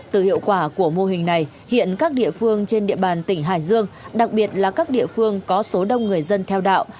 từ hiệu quả của mô hình này hiện các địa phương trên địa bàn tỉnh hải dương đặc biệt là các địa phương có số đông người dân theo đạo